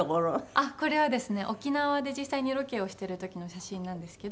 あっこれはですね沖縄で実際にロケをしている時の写真なんですけど。